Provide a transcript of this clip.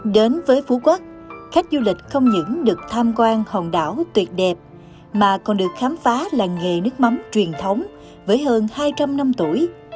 đến với phú quốc khách du lịch không những được tham quan hòn đảo tuyệt đẹp mà còn được khám phá làng nghề nước mắm truyền thống với hơn hai trăm linh năm tuổi